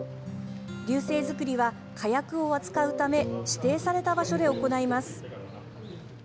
龍勢作りは火薬を扱うため指定された場所で行います。